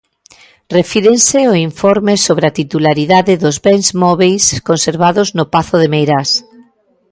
Refírense ao informe sobre a titularidade dos bens móbeis conservados no Pazo de Meirás.